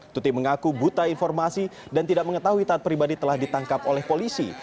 tuti mengaku buta informasi dan tidak mengetahui taat pribadi telah ditangkap oleh polisi